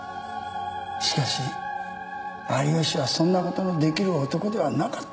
しかし有吉はそんなことのできる男ではなかった。